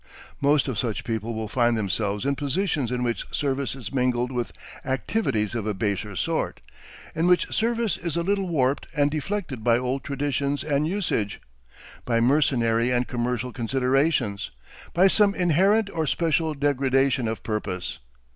Most of such people will find themselves in positions in which service is mingled with activities of a baser sort, in which service is a little warped and deflected by old traditions and usage, by mercenary and commercial considerations, by some inherent or special degradation of purpose.